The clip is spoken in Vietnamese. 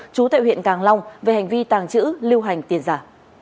chú tại huyện càng long về hành vi tàng trữ lưu hành tiền giả